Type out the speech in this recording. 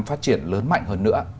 phát triển lớn mạnh hơn nữa